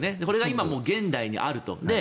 これが現代にあると。